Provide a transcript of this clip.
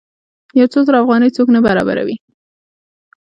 یو څو زره افغانۍ څوک نه برابروي.